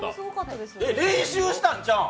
練習したんちゃうん？